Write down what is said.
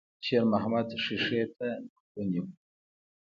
شېرمحمد ښيښې ته نوک ونيو.